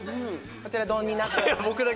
こちら丼になっております。